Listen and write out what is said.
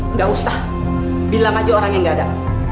nggak usah bilang aja orang yang gak ada